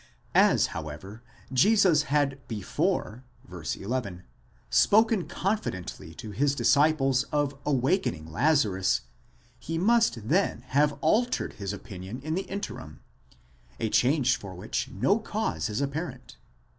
As however Jesus had before (v. 11) spoken confidently to his disciples of awaking Lazarus, he must then have altered his opinion in the interim—a change for which no cause is apparent.